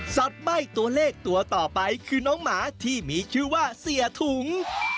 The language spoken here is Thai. ใบ้ตัวเลขตัวต่อไปคือน้องหมาที่มีชื่อว่าเสียถุง